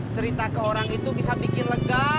cerita ke orang itu bisa bikin lega